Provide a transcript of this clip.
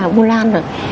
vô lan rồi